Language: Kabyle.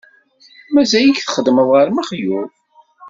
Mazal-ik txeddmeḍ ɣer Mexluf?